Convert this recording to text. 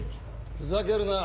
ふざけるな。